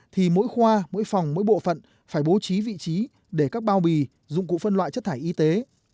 thì mỗi khoa mỗi phòng mỗi bộ phận phải bố trí vị trí để các bao bì dụng cụ phân loại chất thải y tế